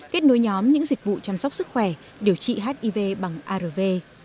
kết nối nhóm những dịch vụ chăm sóc sức khỏe điều trị hiv bằng arv